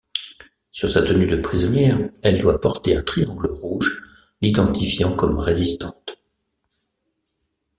Sur sa tenue de prisonnière, elle doit porter un triangle rouge l'identifiant comme résistante.